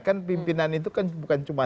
kan pimpinan itu kan bukan cuma